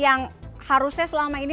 yang harusnya selama ini